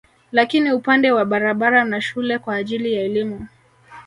Lakini upande wa barabara na shule kwa ajili ya elimu